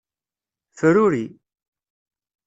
Fruri.